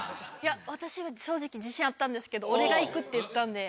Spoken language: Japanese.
私は正直自信あったんですけど俺が行くって言ったんで。